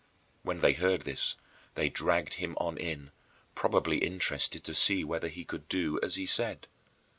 When they heard this, they dragged him on in, probably interested to see whether he could do as he said.